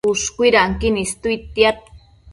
Ushcuidanquin istuidtia